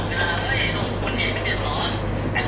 จริงแล้วเนี่ยมันควรจะเซ็นรถขึ้น๖แล้ว